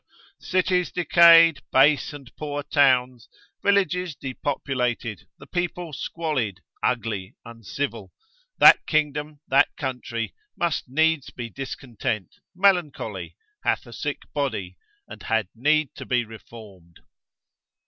cities decayed, base and poor towns, villages depopulated, the people squalid, ugly, uncivil; that kingdom, that country, must needs be discontent, melancholy, hath a sick body, and had need to be reformed.